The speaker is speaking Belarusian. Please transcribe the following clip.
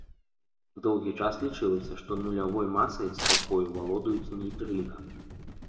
Доўгі час лічылася, што нулявой масай спакою валодаюць нейтрына.